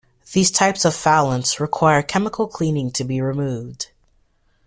These types of foulants require chemical cleaning to be removed.